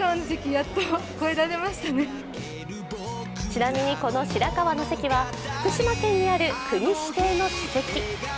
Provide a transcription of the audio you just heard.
ちなみにこの白河の関は福島県にある国指定の史跡。